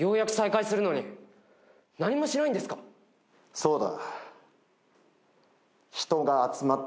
そうだ。